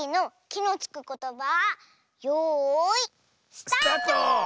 スタート！